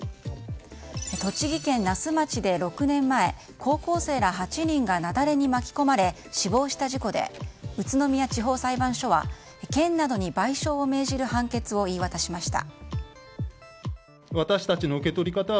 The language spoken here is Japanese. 栃木県那須町で６年前高校生ら８人が雪崩に巻き込まれ死亡した事故で宇都宮地方裁判所は県などに賠償を命じる判決を言い渡しました。